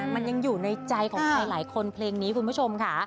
มันยังอยู่ในใจของใครหลายคนเพลงนี้คุณผู้ชมค่ะ